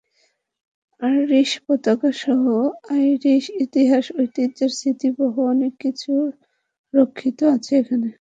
Irish পতাকাসহ Irish ইতিহাস ঐতিহ্যের স্মৃতিবহ অনেক কিছু রক্ষিত আছে এখানে।